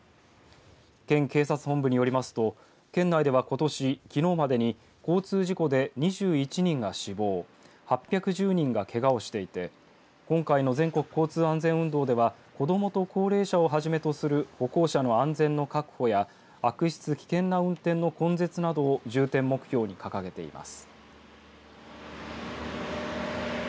県警察本部によりますと県内ではことし、きのうまでに交通事故で２１人が死亡８１０人がけがをしていて今回の全国交通安全運動では子どもと高齢者をはじめとする歩行者の安全の確保や悪質危険な運転の根絶などを重点目標に掲げています。